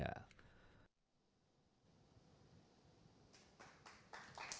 kediga pendukung tidak diperbolehkan memprovokasi pendukung lainnya